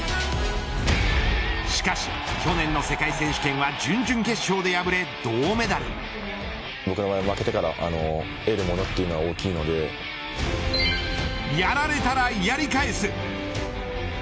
しかし去年の世界選手権は準々決勝で敗れ銅メダル。やられたら、やり返す。